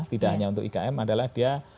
tidak hanya untuk ikm adalah dia